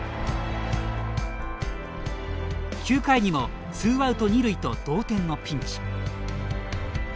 ９回にも、ツーアウト２塁と同点のピンチ。